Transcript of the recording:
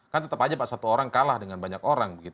kan tetap aja pak satu orang kalah dengan banyak orang